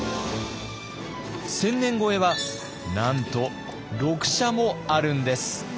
千年超えはなんと６社もあるんです。